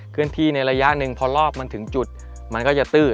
เคลื่อนที่ในระยะหนึ่งพอรอบมันถึงจุดมันก็จะตื้อ